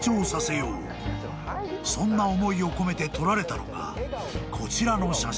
［そんな思いを込めて撮られたのがこちらの写真］